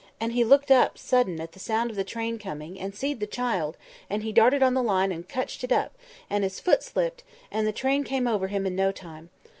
And he looked up sudden, at the sound of the train coming, and seed the child, and he darted on the line and cotched it up, and his foot slipped, and the train came over him in no time.